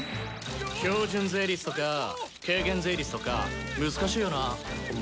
標準税率とか軽減税率とか難しいよなホンマ。